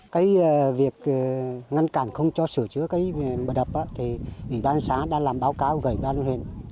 cái việc ngăn cản không cho sửa chữa cái vỡ đập thì bản xã đang làm báo cáo gửi ban huyện